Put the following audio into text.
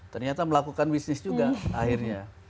ternyata melakukan bisnis juga akhirnya